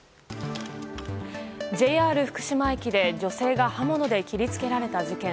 ＪＲ福島駅で女性が刃物で切りつけられた事件。